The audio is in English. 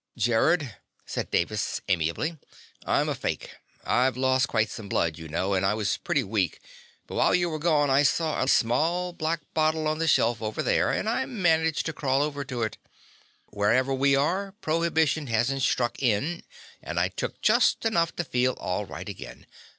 "Gerrod," said Davis amiably, "I'm a fake. I'd lost quite some blood, you know, and I was pretty weak, but while you were gone I saw a small black bottle on a shelf over there, and I managed to crawl over to it. Wherever we are, prohibition hasn't struck in, and I took just enough to feel all right again.